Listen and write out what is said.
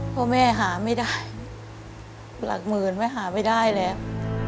เพราะแม่หาไม่ได้หลักหมื่นแม่หาไม่ได้เลยครับ